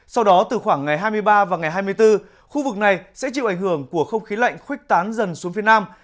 sau đó từ khoảng ngày hai mươi ba và ngày hai mươi bốn khu vực này sẽ chịu ảnh hưởng của không khí lạnh khuếch tán dần xuống phía nam